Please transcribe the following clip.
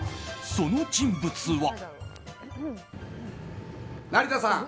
その人物は。